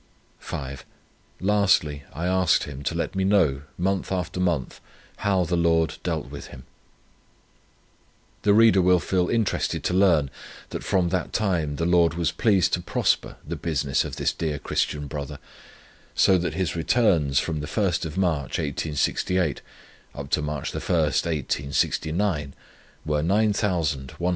5, Lastly, I asked him, to let me know, month after month, how the Lord dealt with him. The reader will feel interested to learn, that from that time the Lord was pleased to prosper the business of this dear Christian brother, so that his returns from the 1st of March, 1868, up to March 1, 1869, were £9,138 13s.